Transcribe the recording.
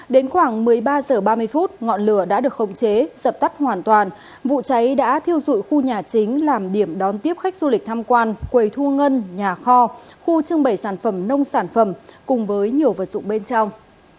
đến khoảng một mươi ba h ba mươi phút ngọn lửa đã được khống chế dập tắt hoàn toàn vụ cháy đã thiêu dụi khu nhà chính làm điểm đón tiếp khách du lịch tham quan quầy thu ngân nhà kho khu trưng bày sản phẩm nông sản phẩm cùng với nhiều vật dụng bên trong